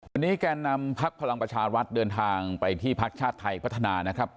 วันนี้แก่นำพักพลังประชารัฐเดินทางไปที่พักชาติไทยพัฒนานะครับ